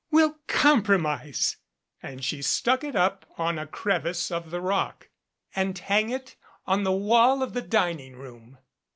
"We'll compromise," and she stuck it up on a crevice of the rock, "and hang it on the wall of the dining room."